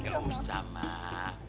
nggak usah mak